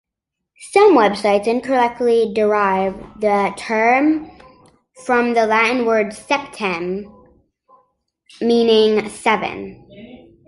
Some websites incorrectly derive the term from the Latin word "septem", meaning "seven".